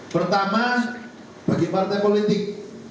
pertama bagi partai politik